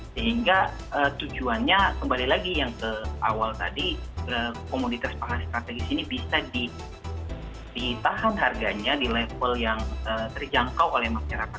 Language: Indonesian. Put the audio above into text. sehingga tujuannya kembali lagi yang ke awal tadi komoditas pangan strategis ini bisa ditahan harganya di level yang terjangkau oleh masyarakat